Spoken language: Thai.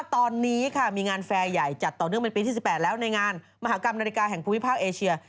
ตอนนี้ค่ะมีงานแฟร์ใหญ่จัดต่อเนื่องเป็นปีที่๑๘แล้วในงานมหากรรมนาฬิกาแห่งภูมิภาคเอเชีย